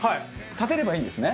立てればいいんですね？